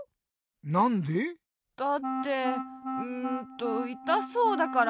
なんで？だってうんといたそうだから。